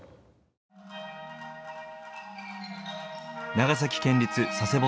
長崎県立佐世保